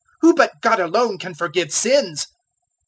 Who but God alone can forgive sins?"